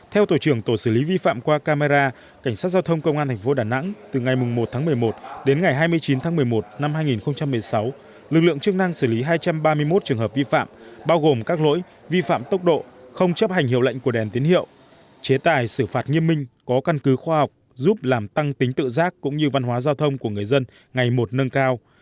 theo tổ trưởng tổ xử lý vi phạm qua camera cảnh sát giao thông công an thành phố đà nẵng từ ngày một tháng một mươi một đến ngày hai mươi chín tháng một mươi một năm hai nghìn một mươi sáu lực lượng chức năng xử lý hai trăm ba mươi một trường hợp vi phạm bao gồm các lỗi vi phạm tốc độ không chấp hành hiệu lệnh của đèn tiến hiệu chế tài xử phạt nghiêm minh có căn cứ khoa học giúp làm tăng tính tự giác cũng như văn hóa giao thông của người dân ngày một nâng cao